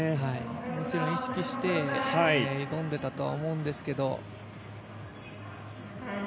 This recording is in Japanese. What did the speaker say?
もちろん意識して挑んでいたとは思うんですけど。